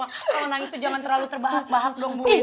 kalau nangis tuh jangan terlalu terbahak bahak dong